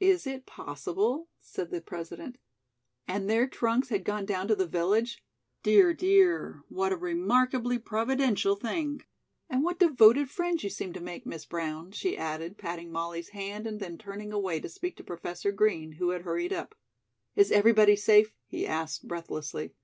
"Is it possible?" said the President. "And their trunks had gone down to the village? Dear, dear, what a remarkably providential thing. And what devoted friends you seem to make, Miss Brown," she added, patting Molly's hand and then turning away to speak to Professor Green, who had hurried up. "Is everybody safe?" he asked breathlessly.